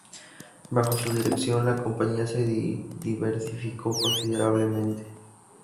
Bajo su dirección, la compañía se diversificó considerablemente.